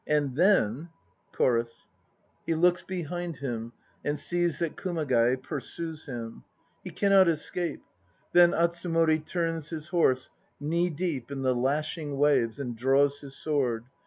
And then CHORUS. He looks behind him and sees That Kumagai pursues him; He cannot escape. Then Atsumori turns his horse Knee deep in the lashing waves, And draws his sword.